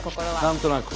何となく。